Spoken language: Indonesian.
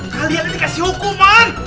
kalian ini dikasih hukuman